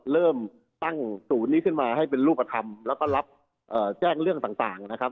เริ่มตั้งศูนย์นี้ขึ้นมาให้เป็นรูปธรรมแล้วก็รับแจ้งเรื่องต่างนะครับ